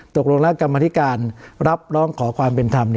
ตกลงแล้วกรรมธิการรับร้องขอความเป็นธรรม